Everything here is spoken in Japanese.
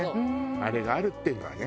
あれがあるっていうのはね。